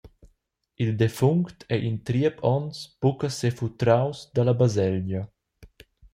Il defunct ei in triep onns buca sefutraus dalla baselgia.